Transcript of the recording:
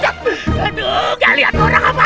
tapi sebenarnya dia kalo terjumpa sama dia